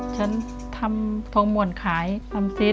ฉันทำทองหม่วนขายทำซิส